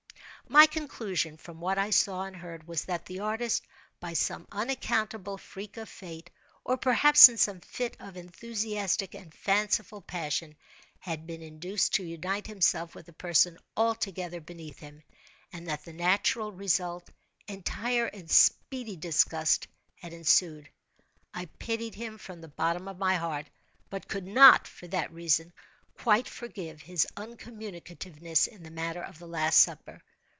My conclusion, from what I saw and heard, was, that, the artist, by some unaccountable freak of fate, or perhaps in some fit of enthusiastic and fanciful passion, had been induced to unite himself with a person altogether beneath him, and that the natural result, entire and speedy disgust, had ensued. I pitied him from the bottom of my heart—but could not, for that reason, quite forgive his incommunicativeness in the matter of the "Last Supper."